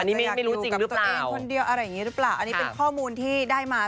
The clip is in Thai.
อันนี้ไม่รู้จริงรึเปล่าอันนี้เป็นข้อมูลที่ได้มา